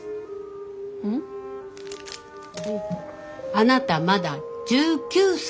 あなたまだ１９歳。